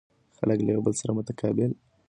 خلک له یو بل سره متقابل عمل کوي.